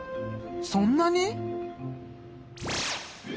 そんなに？